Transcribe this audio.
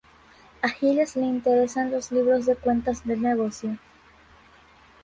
A Giles le interesan los libros de cuentas del negocio.